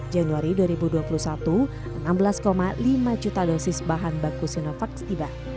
januari dua ribu dua puluh satu enam belas lima juta dosis bahan baku sinovac tiba